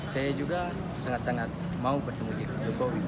saya juga sangat sangat mau bertemu dengan jokowi